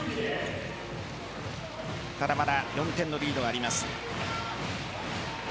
ただ、まだ４点のリードがあります。